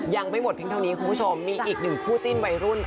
ยังไม่หมดเพียงเท่านี้คุณผู้ชมมีอีกหนึ่งคู่จิ้นวัยรุ่น